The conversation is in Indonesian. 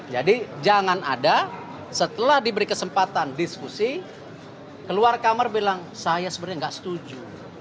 jadi jangan ada setelah diberi kesempatan diskusi keluar kamar bilang saya sebenarnya nggak setuju